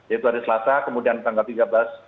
yaitu hari selasa kemudian tanggal tiga belas